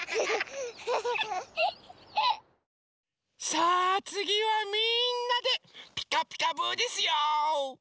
さあつぎはみんなで「ピカピカブ！」ですよ。